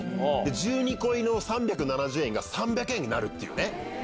１２個入りの３７０円が３００円になるっていうね。